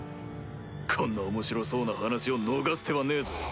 こんな面白そうな話を逃す手はねえぞ。